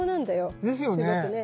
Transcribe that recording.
すごくね。